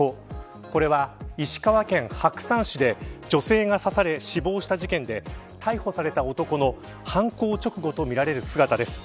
これは、石川県白山市で女性が刺され死亡した事件で逮捕された男の犯行直後とみられる姿です。